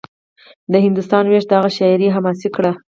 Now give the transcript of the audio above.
د هندوستان وېش د هغه شاعري حماسي کړه